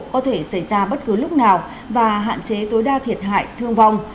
có thể xảy ra bất cứ lúc nào và hạn chế tối đa thiệt hại thương vong